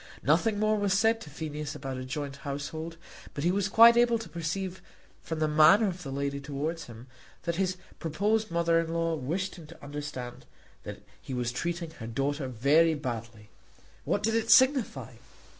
Nothing more was said to Phineas about a joint household; but he was quite able to perceive from the manner of the lady towards him that his proposed mother in law wished him to understand that he was treating her daughter very badly. What did it signify?